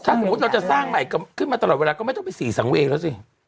ถ้าสมมุติเราจะสร้างใหม่ขึ้นมาตลอดเวลาก็ไม่ต้องไปสี่สังเวงแล้วสิ